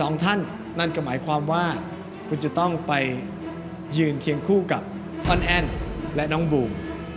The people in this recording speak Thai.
สองท่านนั่นก็หมายความว่าคุณจะต้องไปยืนเคียงคู่กับท่อนแอ้นและน้องบูม